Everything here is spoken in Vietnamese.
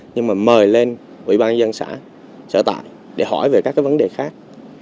nhưng mà mời lên ủy ban dân xã sở tại để hỏi về các vấn đề khác